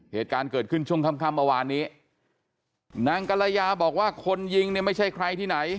เหตุการณ์เกิดขึ้นช่วงค่ำค่ำเมื่อวานนี้นางกรยาบอกว่าคนยิงเนี่ยไม่ใช่ใครที่ไหน